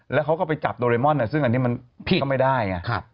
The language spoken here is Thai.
แล้วเขาก็ไปจับโดเรมอนซึ่งอันนี้มันผิดก็ไม่ได้ไง